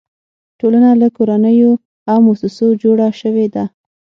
ټولنه له کورنیو او مؤسسو جوړه شوې ده.